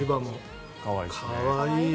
可愛い。